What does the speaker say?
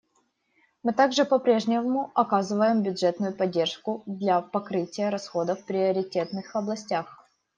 Мы также по-прежнему оказываем бюджетную поддержку для покрытия расходов в приоритетных областях.